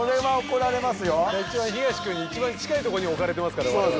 ヒガシ君に一番近いとこに置かれてますからわれわれ。